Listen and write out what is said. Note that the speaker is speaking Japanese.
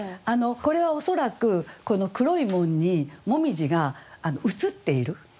これは恐らくこの黒い門に紅葉が映っている。